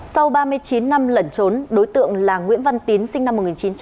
sau ba mươi chín năm lẩn trốn đối tượng là nguyễn văn tín sinh năm một nghìn chín trăm tám mươi